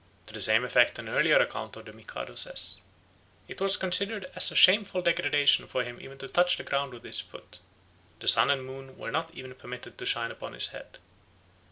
To the same effect an earlier account of the Mikado says: "It was considered as a shameful degradation for him even to touch the ground with his foot. The sun and moon were not even permitted to shine upon his head.